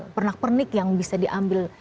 pernak pernik yang bisa diambil